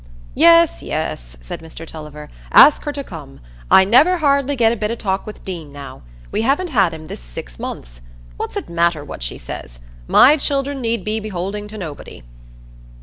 "Yes, yes," said Mr Tulliver, "ask her to come. I never hardly get a bit o' talk with Deane now; we haven't had him this six months. What's it matter what she says? My children need be beholding to nobody."